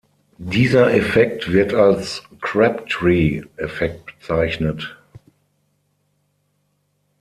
Dieser Effekt wird als Crabtree-Effekt bezeichnet.